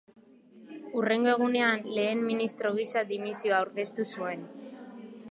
Hurrengo egunean, lehen ministro gisa dimisioa aurkeztu zuen.